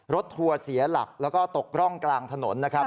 รถทัวร์เสียหลักแล้วก็ตกร่องกลางถนน